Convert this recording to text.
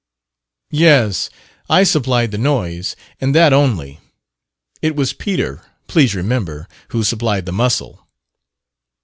"Yes, I supplied the noise and that only. It was Peter, please remember, who supplied the muscle."